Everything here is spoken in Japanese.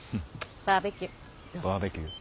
バーベキューどう？